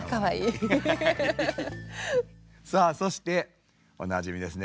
さあそしておなじみですね